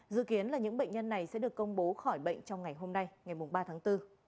dự kiến là những bệnh nhân này sẽ được công bố khỏi bệnh trong ngày hôm nay ngày ba tháng bốn